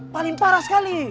paling parah sekali